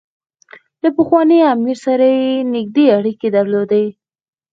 له پخواني امیر سره یې نېږدې اړیکې درلودې.